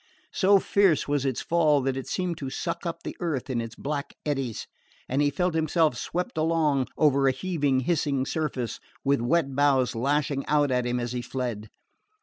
So fierce was its fall that it seemed to suck up the earth in its black eddies, and he felt himself swept along over a heaving hissing surface, with wet boughs lashing out at him as he fled.